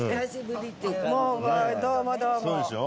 もうどうもどうも。